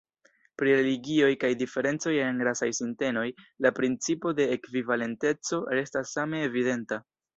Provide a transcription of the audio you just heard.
Pri religioj kaj diferencoj en rasaj sintenoj, la principo de ekvivalenteco restas same evidenta.